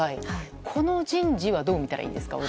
この人事はどう見たらいいんですか？